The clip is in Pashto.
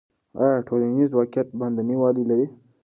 آیا ټولنیز واقعیت باندنی والی لري؟